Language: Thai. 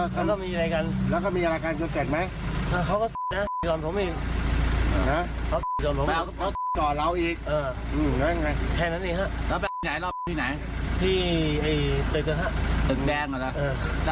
คุณผู้ชมสภาพสมัครสบอมนะ